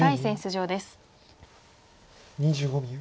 ２５秒。